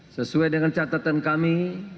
sesuai dengan catatan kami